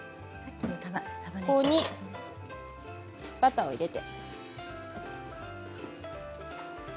ここにバターを入れて。